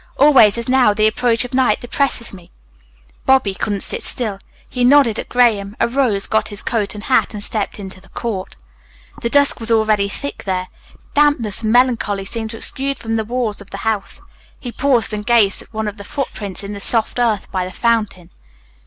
Always, as now, the approach of night depresses me." Bobby couldn't sit still. He nodded at Graham, arose, got his coat and hat, and stepped into the court. The dusk was already thick there. Dampness and melancholy seemed to exude from the walls of the old house. He paused and gazed at one of the foot prints in the soft earth by the fountain.